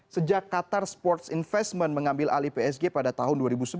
sejak qatar sports investment mengambil alih psg pada tahun dua ribu sebelas